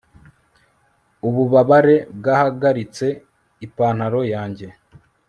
ububabare bwahagaritse ipantaro yanjye